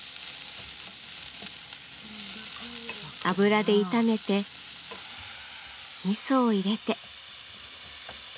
油で炒めてみそを入れて。